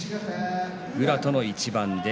宇良との一番。